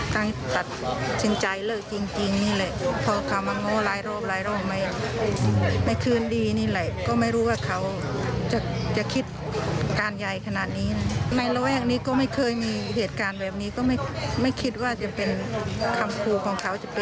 คิดว่าจะเป็นคำครูของเขาจะเป็นก็เคยครูมาก่อน